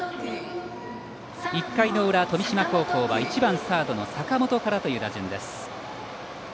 １回の裏、富島高校は１番サードの坂本からという打順です。